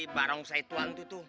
barong saituan itu tuh